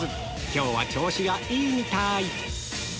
今日は調子がいいみたい